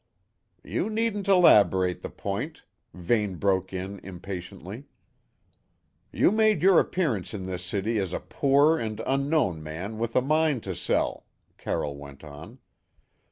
"You needn't elaborate the point," Vane broke in impatiently. "You made your appearance in this city as a poor and unknown man with a mine to sell," Carroll went on.